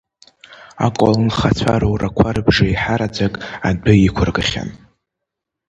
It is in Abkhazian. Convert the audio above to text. Аколнхацәа рурақәа рыбжеи-ҳара ӡак адәы иқәыргахьан.